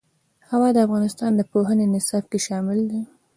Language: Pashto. هوا د افغانستان د پوهنې نصاب کې شامل دي.